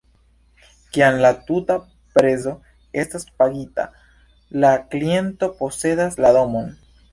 Kiam la tuta prezo estas pagita, la kliento posedas la domon.